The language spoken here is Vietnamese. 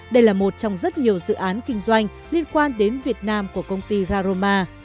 đây là một trong rất nhiều dự án kinh doanh liên quan đến việt nam của công ty raroma